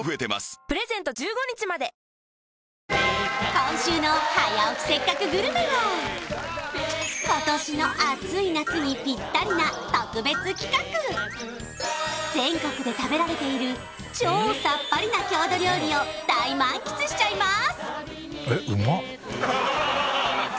今週の「早起きせっかくグルメ！！」は今年の暑い夏にピッタリな特別企画全国で食べられている超さっぱりな郷土料理を大満喫しちゃいます！